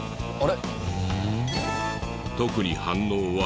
あれ？